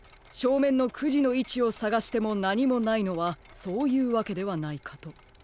しょうめんの９じのいちをさがしてもなにもないのはそういうわけではないかと。